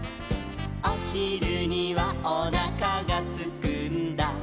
「おひるにはおなかがすくんだ」